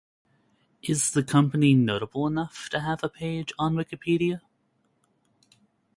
Is the company notable enough to have a page on Wikipedia?